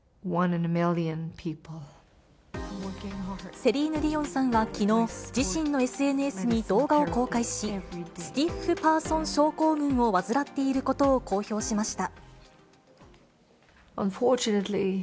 セリーヌ・ディオンさんがきのう、自身のＳＮＳに動画を公開し、スティッフパーソン症候群を患っていることを公表しました。